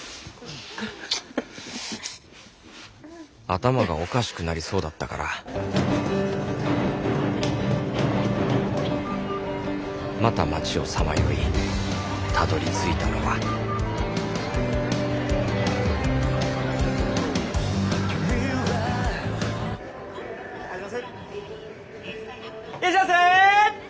頭がおかしくなりそうだったからまた街をさまよいたどりついたのはいらっしゃいませ！